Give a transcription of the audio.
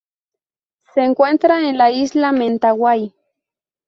Se encuentra en la isla Mentawai.